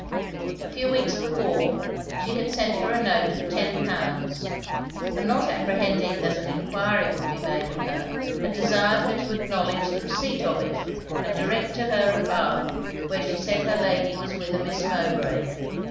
A few weeks before, she had sent her a note for ten pounds; and not apprehending that an enquiry would be made of her, had desired her to acknowledge the receipt of it, and direct to her at Bath, where she said her lady was with a Miss Mowbray.